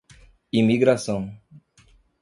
Imigração